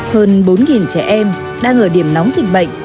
hơn bốn trẻ em đang ở điểm nóng dịch bệnh